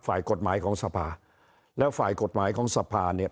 ฝ่ายกฎหมายของสภาแล้วฝ่ายกฎหมายของสภาเนี่ย